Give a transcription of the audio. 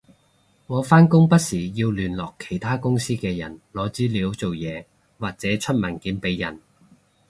我返工不時要聯絡其他公司嘅人攞資料做嘢或者出文件畀人